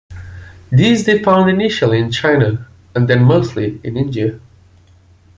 This they found initially in China and then mostly in India.